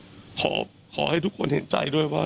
สิ่งนี้มันจะเกิดขึ้นขอให้ทุกคนเห็นใจด้วยว่า